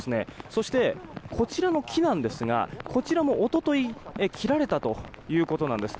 そして、こちらの木なんですがこちらも一昨日切られたということなんです。